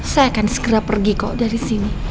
saya akan segera pergi kok dari sini